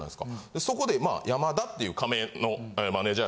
そこで山田っていう仮名のマネジャー。